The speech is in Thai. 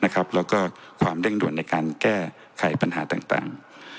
แล้วก็ความเร่งด่วนในการแก้ไขปัญหาต่าง